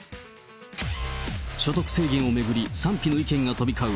所得制限を巡り、賛否の意見が飛び交う